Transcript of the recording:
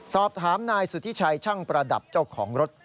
สอบถามนายสุธิชัยช่างประดับเจ้าของรถ